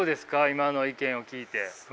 今の意見を聞いて。